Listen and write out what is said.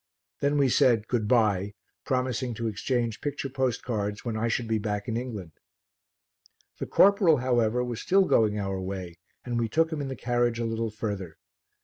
Then we said "Good bye," promising to exchange picture postcards when I should be back in England. The corporal, however, was still going our way and we took him in the carriage a little further.